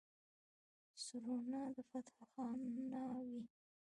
سورنا د فتح خان نه وي.